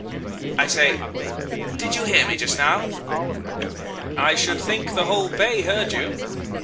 I say... did you hear me just now?' "'I should think the whole bay heard you.